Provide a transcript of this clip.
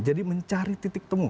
jadi mencari titik temu